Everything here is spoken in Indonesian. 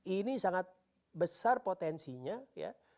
ini sangat besar potensinya ya